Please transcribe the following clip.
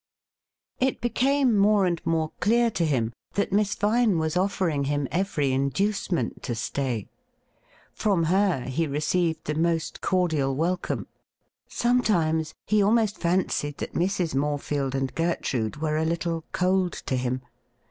It became more and more clear to him that Miss Vine was offering him every inducement to stay. From her he received the most cordial welcome. Sometimes he almost •fancied that Mrs. Morefield and Gertrude were a little ■cold to him.